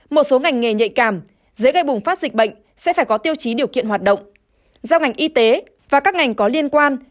một số ngành nghề nhạy cảm dễ gây bùng phát dịch bệnh sẽ phải có tiêu chí điều kiện hoạt động giao ngành y tế và các ngành có liên quan